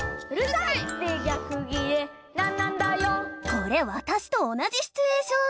これわたしと同じシチュエーション！